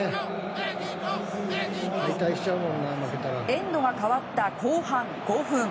エンドが変わった後半５分。